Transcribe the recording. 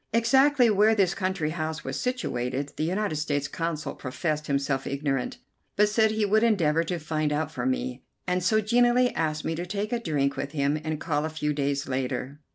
Exactly where this country house was situated the United States Consul professed himself ignorant, but said he would endeavour to find out for me, and so genially asked me to take a drink with him and call a few days later.